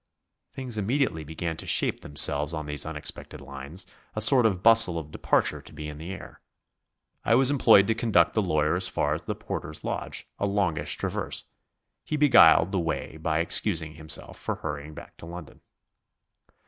Things immediately began to shape themselves on these unexpected lines, a sort of bustle of departure to be in the air. I was employed to conduct the lawyer as far as the porter's lodge, a longish traverse. He beguiled the way by excusing himself for hurrying back to London.